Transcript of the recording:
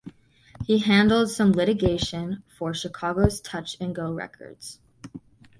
He handled some litigation for Chicago's Touch and Go Records.